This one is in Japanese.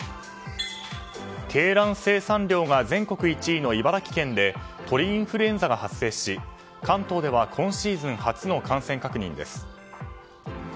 鶏卵生産量が全国１位の茨城県で鳥インフルエンザが発生し関東では今シーズン初の感染確認です。